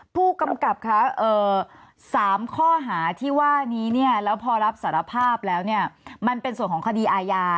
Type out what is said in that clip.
ผู้กำกับค่ะ๓ข้อหาที่ว่านี้เนี่ยแล้วพอรับสารภาพแล้วเนี่ยมันเป็นส่วนของคดีอาญา